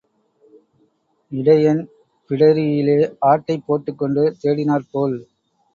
இடையன் பிடரியிலே ஆட்டைப் போட்டுக்கொண்டு தேடினாற் போல்.